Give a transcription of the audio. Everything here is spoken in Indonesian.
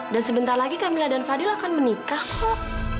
dan sebentar lagi camilla dan fadil akan menikah kok